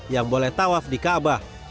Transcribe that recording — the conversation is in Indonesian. yang boleh tawaf di kaabah